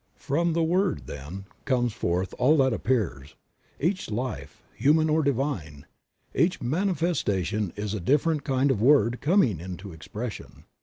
From the Word, then, comes forth all that appears. Each life, human or divine, each manifestation is a different kind of word coming into expression.